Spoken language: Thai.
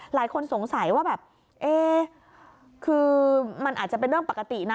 หลายคนสงสัยว่าแบบเอ๊คือมันอาจจะเป็นเรื่องปกตินะ